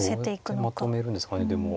どうやってまとめるんですかねでも。